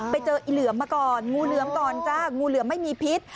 ไปเจออีเหลือมมาก่อนงูเหลือมก่อนจ้างูเหลือมไม่มีพิษ